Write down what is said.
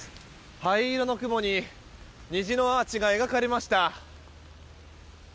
灰色の雲に虹のアーチが描かれました。